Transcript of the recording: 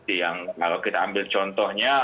di yang kalau kita ambil contohnya